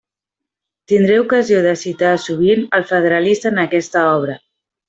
Tindré ocasió de citar sovint el Federalista en aquesta obra.